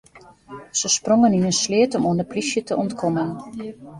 Se sprongen yn in sleat om oan de polysje te ûntkommen.